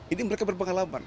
ini mereka berpengalaman